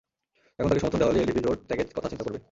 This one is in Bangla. এখন তাঁকে সমর্থন দেওয়া হলে এলডিপি জোট ত্যাগের কথা চিন্তা করবে।